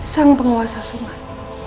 sang penguasa sungai